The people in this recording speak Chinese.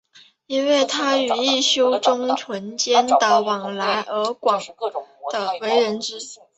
因为他与一休宗纯间的往来而广为人知。